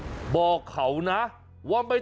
ว่าไม่ต้องเงาปริศนาที่ดำมะเบี้ยมตามมาจากหวานศพครับ